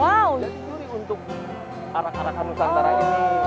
jadi curi untuk anak anakan nusantara ini